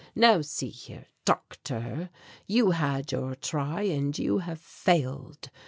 Now see here, doctor, you had your try and you have failed.